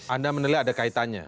anda menilai ada kaitannya